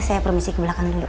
saya permisi ke belakang dulu